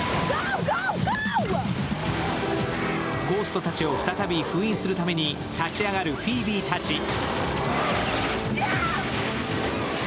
ゴーストたちを再び封印するために立ち上がるフィービーたち。